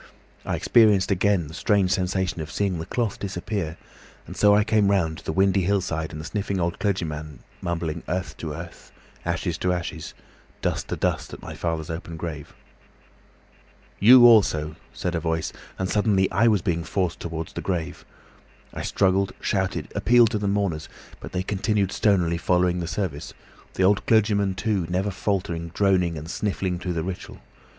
I experienced again the strange sensation of seeing the cloth disappear, and so I came round to the windy hillside and the sniffing old clergyman mumbling 'Earth to earth, ashes to ashes, dust to dust,' at my father's open grave. "'You also,' said a voice, and suddenly I was being forced towards the grave. I struggled, shouted, appealed to the mourners, but they continued stonily following the service; the old clergyman, too, never faltered droning and sniffing through the ritual.